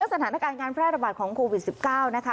สถานการณ์การแพร่ระบาดของโควิด๑๙นะคะ